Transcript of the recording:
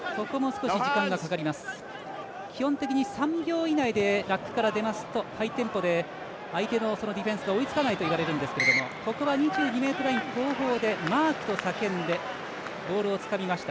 基本的に３秒以内でラックから出ますとハイテンポで相手のディフェンスが追いつかないといわれるんですがここは２２ｍライン後方でマークと叫んでボールをつかみました。